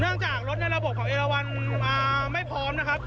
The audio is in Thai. เนื่องจากรถในระบบของเอลวัลไม่พร้อมนะครับ